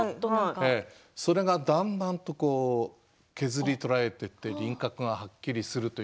それがだんだんと削り取られていって輪郭がはっきりする。